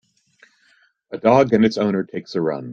A dog and its owner takes a run.